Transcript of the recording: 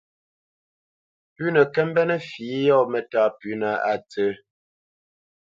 Pʉ̌nə kə́ mbénə̄ fǐ yɔ̂ mətá pʉ́nə a ntsə̂.